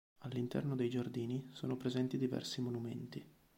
All'interno dei giardini sono presenti diversi monumenti.